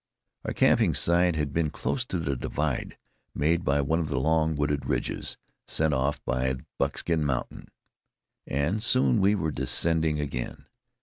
Our camping site had been close to the divide made by one of the long, wooded ridges sent off by Buckskin Mountain, and soon we were descending again.